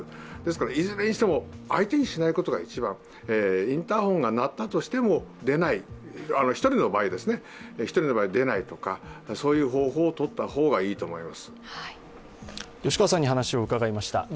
いずれにしても相手にしないことが一番インターフォンが鳴ったとしても１人の場合は出ないとかそういう方法をとった方がいいと思います。